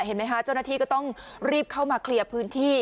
เจ้าหน้าที่ก็ต้องรีบเข้ามาเคลียร์พื้นที่